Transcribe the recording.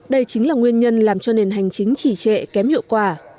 đây chính là nguyên nhân làm cho nền hành chính trì trệ kém hiệu quả